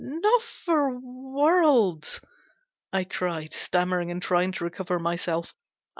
"Not for worlds," I cried, stammering and trying to recover myself.